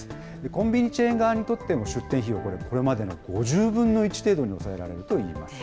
コンビニチェーン側にとっても出店費用、これまでの５０分の１程５０分の１。